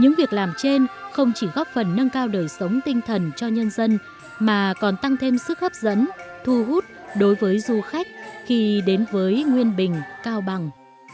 những việc làm trên không chỉ góp phần nâng cao đời sống tinh thần cho nhân dân mà còn tăng thêm sức hấp dẫn thu hút đối với du khách khi đến với nguyên bình cao bằng